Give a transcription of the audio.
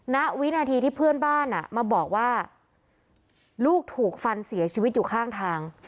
ณวินาทีที่เพื่อนบ้านมาบอกว่าลูกถูกฟันเสียชีวิตอยู่ข้างทาง